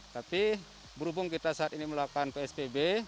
tapi berhubung kita saat ini melakukan psbb